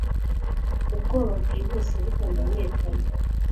Ubwoba bwihuse butamenyekanye